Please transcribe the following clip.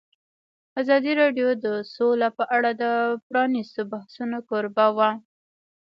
ازادي راډیو د سوله په اړه د پرانیستو بحثونو کوربه وه.